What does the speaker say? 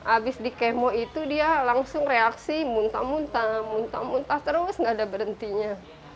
abis dikemo itu dia langsung reaksi muntah muntah muntah muntah terus gak ada berhentinya